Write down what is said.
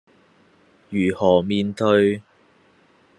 如何面對